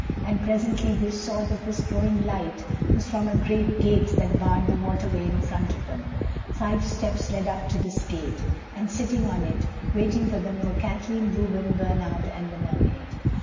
And presently they saw that this growing light was from a great gate that barred the waterway in front of them. Five steps led up to this gate, and sitting on it, waiting for them, were Kathleen, Reuben, Bernard and the Mermaid.